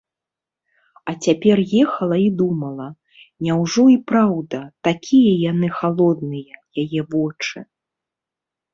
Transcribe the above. А цяпер ехала і думала: няўжо і праўда - такія яны халодныя, яе вочы?